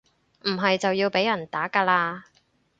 唔係就要被人打㗎喇